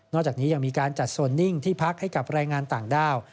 จากนี้ยังมีการจัดโซนนิ่งที่พักให้กับแรงงานต่างด้าว